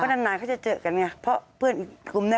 นานเขาจะเจอกันไงเพราะเพื่อนอีกกลุ่มนั้น